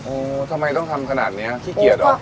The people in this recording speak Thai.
ทำไมต้องทำขนาดนี้ขี้เกียจเหรอ